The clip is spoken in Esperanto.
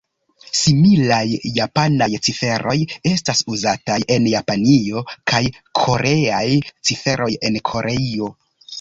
Similaj japanaj ciferoj estas uzataj en Japanio kaj koreaj ciferoj en Koreio.